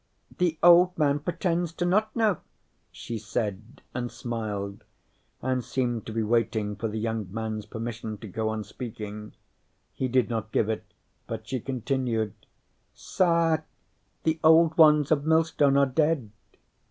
"The old man pretends to not know," she said, and smiled, and seemed to be waiting for the young man's permission to go on speaking. He did not give it, but she continued: "Sa, the old ones of Millstone are dead."